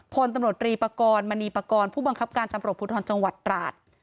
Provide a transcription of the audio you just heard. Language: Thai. พลตำรวจรีปากรมณีปากรผู้บังคับการตำรวจภูทรจังหวัดตราด